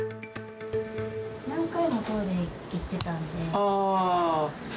何回もトイレ行ってたんで。